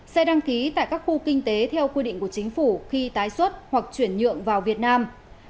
một xe đăng ký tại các khu kinh tế theo quy định của chính phủ khi tái xuất hoặc chuyển nhượng vào việt nam